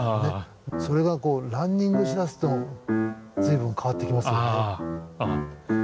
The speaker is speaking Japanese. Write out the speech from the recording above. それがこうランニングしだすと随分変わってきますよね。